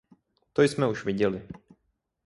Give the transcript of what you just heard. To jsme už viděli.